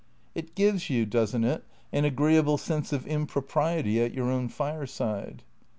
" It gives you, does n't it, an agreeable sense of impropriety at your own fireside